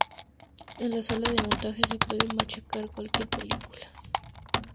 en la sala de montaje se puede machacar cualquier película